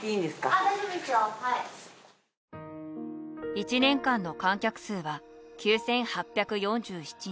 １年間の観客数は９８４７人。